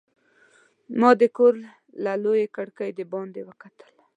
ما د کور له لویې کړکۍ د باندې وکتل.